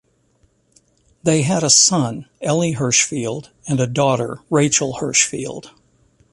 They had a son, Elie Hirschfeld, and a daughter, Rachel Hirschfeld.